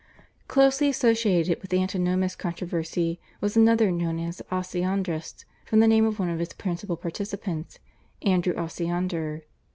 Closely associated with the Antinomist controversy was another known as the /Osiandrist/, from the name of one of its principal participants, Andrew Osiander.